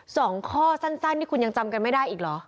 สองข้อสั้นสั้นนี่คุณยังจำกันไม่ได้อีกเหรอ